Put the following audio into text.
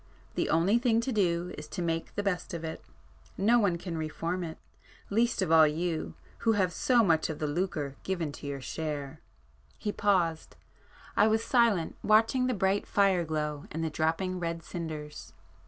The only thing to do is to make the best of it,—no [p 77] one can reform it—least of all you, who have so much of the lucre given to your share." He paused,—I was silent, watching the bright fire glow and the dropping red cinders.